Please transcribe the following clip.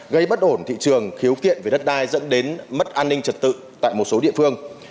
gây bất ổn thị trường khiếu kiện về đất đai dẫn đến mất an ninh trật tự tại một số địa phương